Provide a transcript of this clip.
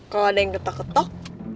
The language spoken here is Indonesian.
kalau ada yang ketok ketok